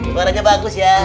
suaranya bagus ya